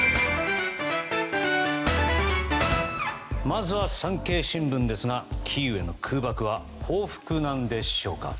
まずは産経新聞ですがキーウへの空爆は報復なんでしょうか。